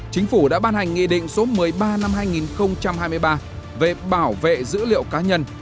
chính phủ đã ban hành nghị định số một mươi ba năm hai nghìn hai mươi ba về bảo vệ dữ liệu cá nhân